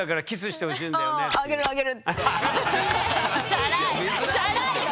チャラいよ。